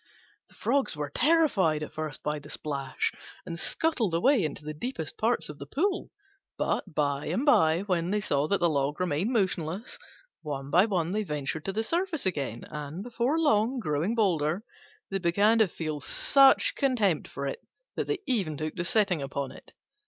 The Frogs were terrified at first by the splash, and scuttled away into the deepest parts of the pool; but by and by, when they saw that the log remained motionless, one by one they ventured to the surface again, and before long, growing bolder, they began to feel such contempt for it that they even took to sitting upon it.